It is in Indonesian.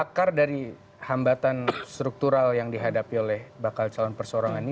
akar dari hambatan struktural yang dihadapi oleh bakal calon persorangan ini